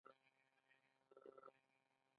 شاعر هغه عملونه څرګندوي چې ښه یا بد وي